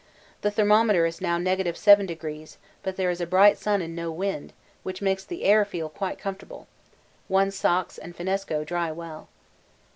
The thermometer is now 7°, but there is a bright sun and no wind, which makes the air feel quite comfortable: one's socks and finnesko dry well.